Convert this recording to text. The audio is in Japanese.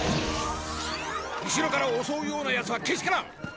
後ろから襲うようなヤツはけしからん！